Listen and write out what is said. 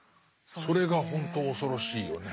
それがほんと恐ろしいよね。